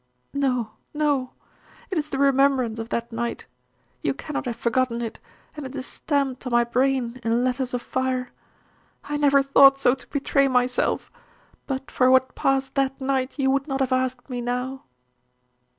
"No, no. It is the remembrance of that night you cannot have forgotten it, and it is stamped on my brain in letters of fire. I never thought so to betray myself. But for what passed that night you would not have asked me now."